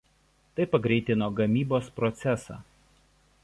Tai pagreitino gamybos procesą.